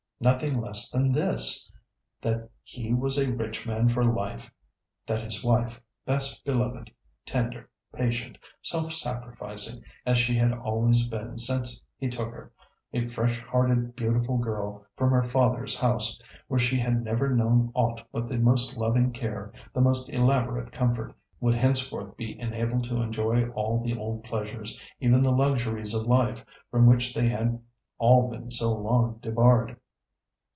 Nothing less than this. That he was a rich man for life. That his wife, best beloved, tender, patient, self sacrificing as she had always been since he took her, a fresh hearted, beautiful girl, from her father's house, where she had never known aught but the most loving care, the most elaborate comfort, would henceforth be enabled to enjoy all the old pleasures, even the luxuries of life, from which they had all been so long debarred.